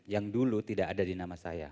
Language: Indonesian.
yang dulu tidak ada di nama saya